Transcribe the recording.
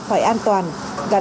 với phương châm an toàn để sản xuất